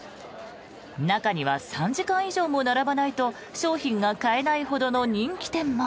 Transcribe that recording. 中には３時間以上も並ばないと商品が買えないほどの人気店も。